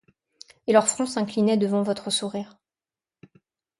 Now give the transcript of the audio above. Et leurs fronts s'inclinaient devant votre sourire ;